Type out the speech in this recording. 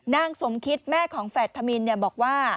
นางสมคิดแม่ของแฝดธมินบอกว่า